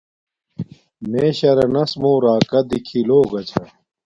میے شرانس موں راکا دیکھی لوگا چھا